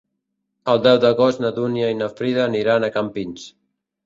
El deu d'agost na Dúnia i na Frida aniran a Campins.